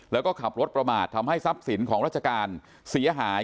แล้วก็ขับรถประมาททำให้ทรัพย์สินของราชการเสียหาย